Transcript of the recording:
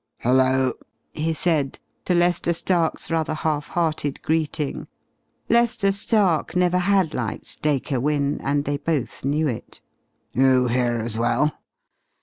"Hello!" he said, to Lester Stark's rather half hearted greeting Lester Stark never had liked Dacre Wynne and they both knew it. "You here as well?